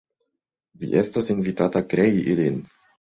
Vi estas invitata krei ilin!